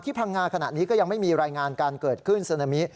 พังงาขณะนี้ก็ยังไม่มีรายงานการเกิดขึ้นซึนามิ